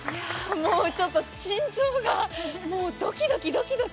もうちょっと心臓がもうドキドキドキドキ